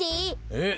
えっ？